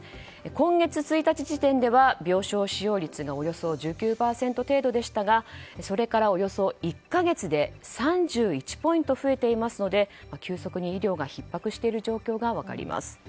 今月１日時点では病床使用率がおよそ１９％程度でしたがそれからおよそ１か月で３１ポイント増えていますので急速に医療がひっ迫している状況が分かります。